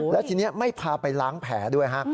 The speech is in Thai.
แล้วทีนี้ไม่พาไปล้างแผลด้วยฮะ